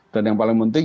dan yang paling penting